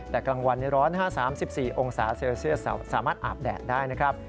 แต่กลางวันนี้ร้อน๕๓๔องศาเซลเซียสสามารถอาบแดดได้นะครับ